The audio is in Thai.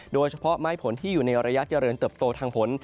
โดยเฉพาะไม้ผลที่อยู่ในระยะเจริญเติบโตทางผล